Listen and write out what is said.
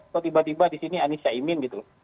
kalau tiba tiba disini anies chaimin gitu